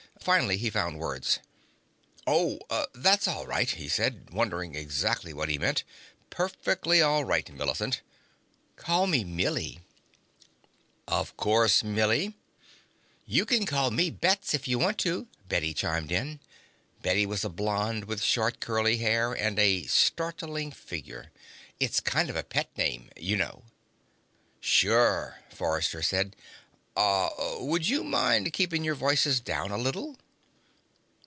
Finally he found words. "Oh, that's all right," he said, wondering exactly what he meant. "Perfectly all right, Millicent." "Call me Millie." "Of course, Millie." "You can call me Bets, if you want to," Bette chimed in. Bette was a blonde with short, curly hair and a startling figure. "It's kind of a pet name. You know." "Sure," Forrester said. "Uh would you mind keeping your voices down a little?"